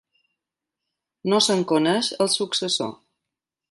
No se'n coneix el successor.